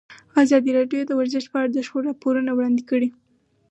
ازادي راډیو د ورزش په اړه د شخړو راپورونه وړاندې کړي.